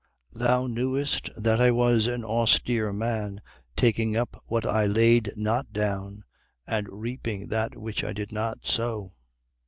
Thou knewest that I was an austere man, taking up what I laid not down and reaping that which I did not sow.